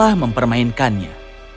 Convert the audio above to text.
dia telah mempermainkannya